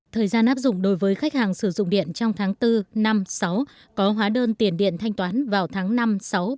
thời gian áp dụng đối với khách hàng sử dụng điện trong tháng bốn năm sáu có hóa đơn tiền điện thanh toán vào tháng năm sáu bảy năm hai nghìn hai mươi